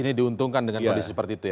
ini diuntungkan dengan kondisi seperti itu ya